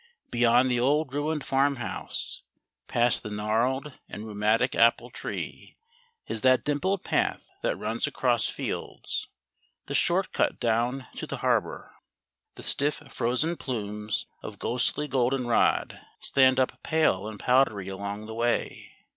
Beyond the old ruined farmhouse past the gnarled and rheumatic apple tree is that dimpled path that runs across fields, the short cut down to the harbour. The stiff frozen plumes of ghostly goldenrod stand up pale and powdery along the way.